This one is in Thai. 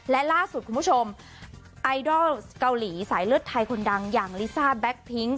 และล่าสุดคุณผู้ชมไอดอลเกาหลีสายเลือดไทยคนดังอย่างลิซ่าแบ็คพิ้ง